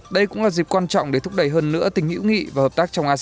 đây cũng là dịp quan trọng để thúc đẩy hơn nữa tình hữu nghị và hợp tác trong asean